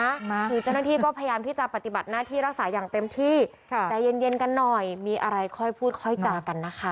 คือเจ้าหน้าที่ก็พยายามที่จะปฏิบัติหน้าที่รักษาอย่างเต็มที่ค่ะใจเย็นเย็นกันหน่อยมีอะไรค่อยพูดค่อยจากันนะคะ